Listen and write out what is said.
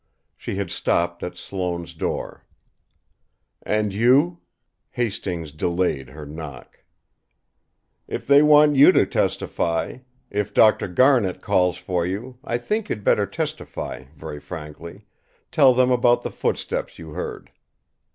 She had stopped at Sloane's door. "And you?" Hastings delayed her knock. "If they want you to testify, if Dr. Garnet calls for you, I think you'd better testify very frankly, tell them about the footsteps you heard."